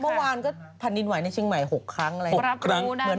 เมื่อวานก็ผ่านดินไหว้ในเชียงใหม่๖ครั้ง